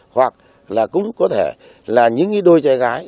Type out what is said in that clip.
hoặc là cũng có thể là những cái đôi trai gái